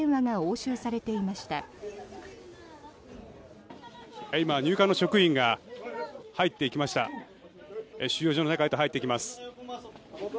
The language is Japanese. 収容所の中へと入っていきます。